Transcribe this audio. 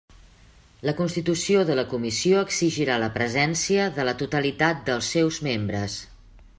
La constitució de la comissió exigirà la presència de la totalitat dels seus membres.